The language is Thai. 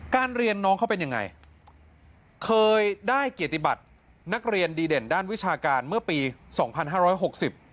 เรียนน้องเขาเป็นยังไงเคยได้เกียรติบัตินักเรียนดีเด่นด้านวิชาการเมื่อปีสองพันห้าร้อยหกสิบ